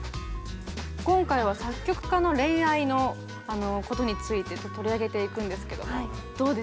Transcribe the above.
今回は作曲家の恋愛のことについて取り上げていくんですけどもどうですか？